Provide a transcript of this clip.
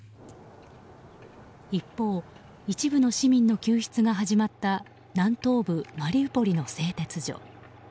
一方、一部の市民の救出が始まった南東部マリウポリの製鉄所。